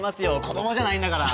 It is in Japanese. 子供じゃないんだから。